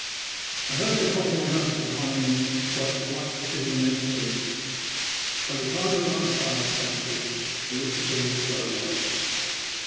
I heard the clock in the house behind me strike one, two, and then three. By the time the last hour 959 9HE tost 09 fiATfl. Bounded, it T^as beginning to grow light.